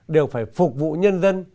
đều phải phục vụ nhân dân